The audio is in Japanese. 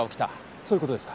そういう事ですか？